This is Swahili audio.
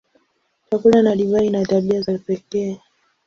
Chakula na divai ina tabia za pekee.